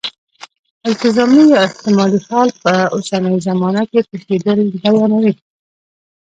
التزامي یا احتمالي حال په اوسنۍ زمانه کې پېښېدل بیانوي.